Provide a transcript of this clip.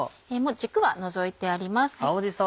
軸は除いてあります。